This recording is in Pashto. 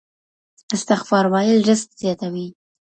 استغفار ویل رزق زیاتوي.